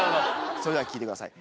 それでは聴いてください